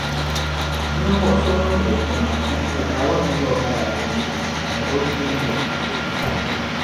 Ninvuɣu so ŋun nyɛ dima n-ti Naawuni mini O Malaaikanima, ni O tuumba